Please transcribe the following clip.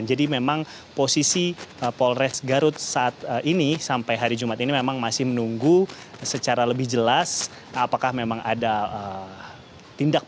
jadi memang posisi polres garut saat ini sampai hari jumat ini memang masih menunggu secara lebih jelas apakah memang ada tindakan